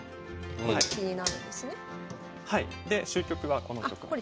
で終局はこの局面です。